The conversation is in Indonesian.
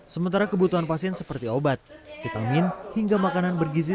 sementara kebutuhan pasien seperti obat vitamin hingga makanan bergizi